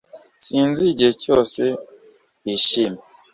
Sinzi igihe cyose wishimye